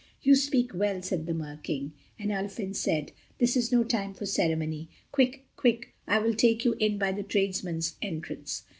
"You speak well," said the Mer King. And Ulfin said, "This is no time for ceremony. Quick, quick, I will take you in by the tradesmen's entrance."